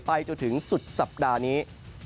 จนถึงสุดสัปดาห์นี้